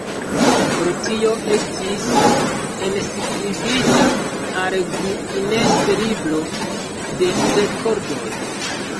Pro tio estis enskribita al Guinness-libro de rekordoj.